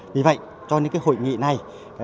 vì vậy cho những hội nghị này